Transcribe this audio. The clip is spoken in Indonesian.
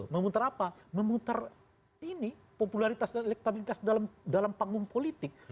memutar apa memutar ini popularitas dan elektabilitas dalam panggung politik